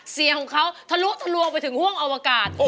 เสียงของเขาทะลุทะลวงไปถึงห่วงอวกาศ